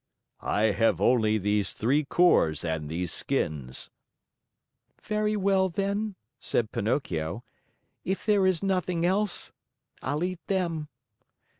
"I have only these three cores and these skins." "Very well, then," said Pinocchio, "if there is nothing else I'll eat them."